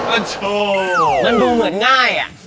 โอ้โธมันดูเหมือนง่ายอ่ะ